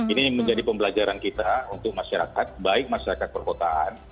ini menjadi pembelajaran kita untuk masyarakat baik masyarakat perkotaan